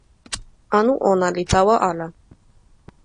anu ona li tawa ala.